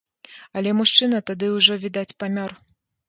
Але мужчына тады ўжо, відаць, памёр.